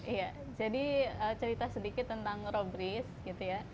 iya jadi cerita sedikit tentang robris gitu ya